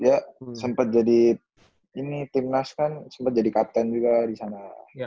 ya sempet jadi ini timnas kan sempet jadi kapten juga di sana